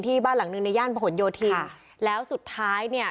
ที่บ้านหลังนึงในย่านโยธิงค่ะแล้วสุดท้ายเนี้ย